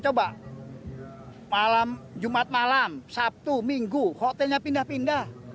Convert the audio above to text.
coba malam jumat malam sabtu minggu hotelnya pindah pindah